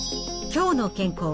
「きょうの健康」。